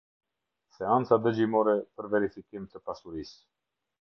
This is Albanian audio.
Seanca Dëgjimore për Verifikim të Pasurisë.